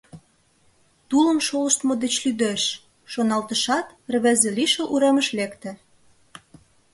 «Тулым шолыштмо деч лӱдеш, — шоналтышат, рвезе лишыл уремыш лекте.